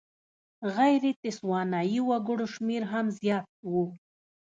غیر تسوانایي وګړو شمېر هم زیات و.